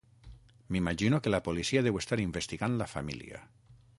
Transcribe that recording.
M'imagino que la policia deu estar investigant la família.